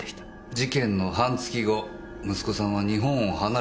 事件の半月後息子さんは日本を離れている。